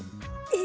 え？